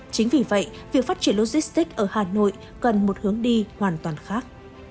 chính vì vậy việc phát triển logistics ở hà nội cần một hướng đi hoàn toàn khác